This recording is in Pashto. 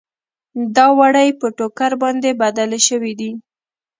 دا وړۍ په ټوکر باندې بدلې شوې دي.